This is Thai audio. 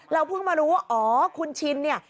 เพิ่งมารู้ว่าอ๋อคุณชินเนี่ย